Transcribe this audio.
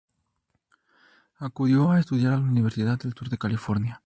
Acudió a estudiar a la Universidad del Sur de California.